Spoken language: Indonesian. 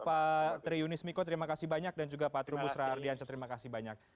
pak tri yunis miko terima kasih banyak dan juga pak atro musra ardianca terima kasih banyak